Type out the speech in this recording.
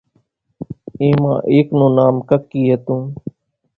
اين مان ايڪ نون نام ڪڪِي ھتون